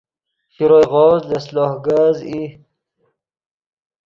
شروئے غوز لس لوہ کز ای